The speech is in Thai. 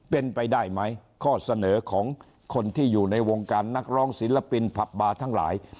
เป็นไปได้ไหมข้อเสนอของคนที่อยู่ในวงการนักร้องศิลปินผับบาร์ทั้งหลาย